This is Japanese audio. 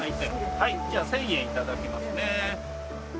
はいじゃあ１，０００円いただきますね。